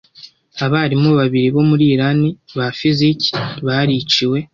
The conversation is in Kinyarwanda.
Abarimu babiri bo muri Irani ba fiziki bariciwe.